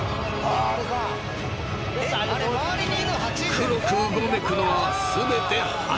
［黒くうごめくのは全て蜂］